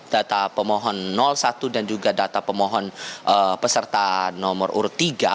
data pemohon satu dan juga data pemohon peserta nomor urut tiga